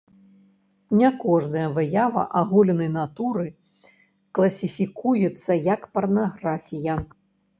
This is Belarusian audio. Не кожная выява аголенай натуры класіфікуецца як парнаграфія.